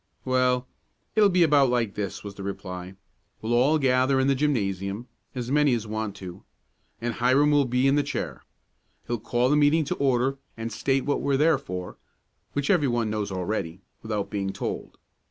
"Well, it'll be about like this," was the reply. "We will all gather in the gymnasium as many as want to and Hiram will be in the chair. He'll call the meeting to order and state what we're there for, which everyone knows already, without being told.